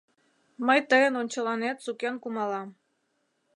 Мый тыйын ончыланет сукен кумалам.